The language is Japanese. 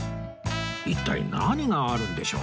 一体何があるんでしょう？